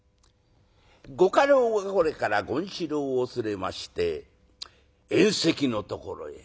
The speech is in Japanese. ご家老はこれから権四郎を連れまして宴席のところへ。